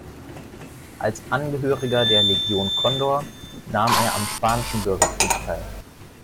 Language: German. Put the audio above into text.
Als Angehöriger der Legion Condor nahm er am spanischen Bürgerkrieg teil.